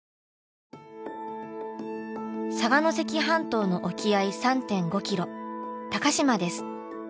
佐賀関半島の沖合３．５キロ高島です。